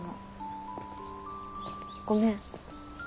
ごめん。